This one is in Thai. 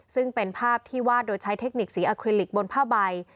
ซึ่งเป็นภาพที่วาดโดยใช้เทคนิคสีอาคลิลิกบนผ้าใบ